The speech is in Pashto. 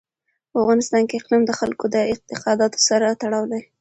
په افغانستان کې اقلیم د خلکو د اعتقاداتو سره تړاو لري.